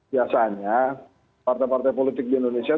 biasanya partai partai politik di indonesia